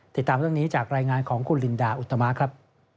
ติดตามเรื่องนี้จากรายงานของคุณลินดาอุตมะครับ